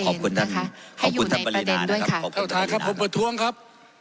ขอบคุณท่านให้อยู่ในประเด็นด้วยค่ะขอบคุณท่านครับผมประทวงครับ